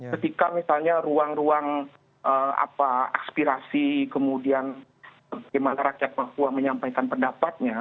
ketika misalnya ruang ruang aspirasi kemudian bagaimana rakyat papua menyampaikan pendapatnya